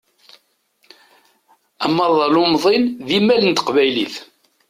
Amaḍal umḍin d imal n teqbaylit.